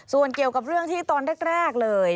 ส่วนเกี่ยวกับเรื่องที่ตอนแรกเลย